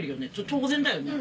当然だよね？